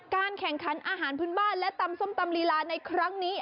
การแข่งขันอาหารพื้นบ้านและตำส้มตำลีลาในครั้งนี้